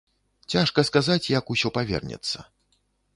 Цяжка сказаць, як усё павернецца.